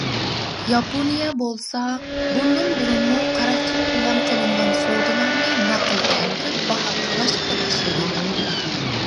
ياپونىيە بولسا، بۇندىن بۇرۇنمۇ قاراقچىلار بىلەن قىلىنغان سودىلارنى نەقىل كەلتۈرۈپ باھا تالاشقىلى باشلىدى.